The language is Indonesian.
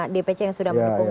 dpc yang sudah mendukung